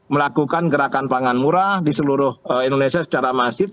melakukan gerakan pangan murah di seluruh indonesia secara masif